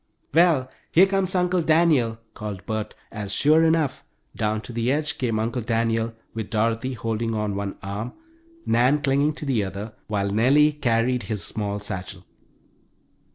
"Well, here comes Uncle Daniel!" called Bert, as, sure enough, down to the edge came Uncle Daniel with Dorothy holding on one arm, Nan clinging to the other, while Nellie carried his small satchel.